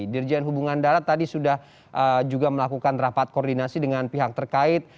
dirjen hubungan darat tadi sudah juga melakukan rapat koordinasi dengan pihak terkait